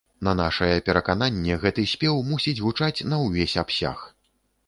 На нашае перакананне, гэты спеў мусіць гучаць на ўвесь абсяг.